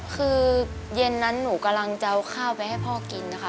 คือเย็นนั้นหนูกำลังจะเอาข้าวไปให้พ่อกินนะคะ